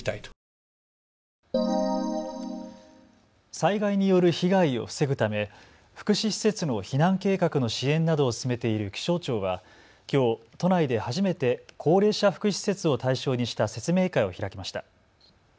災害による被害を防ぐため福祉施設の避難計画の支援などを進めている気象庁はきょう都内で初めて高齢者福祉施設を対象にした説明会を開きました。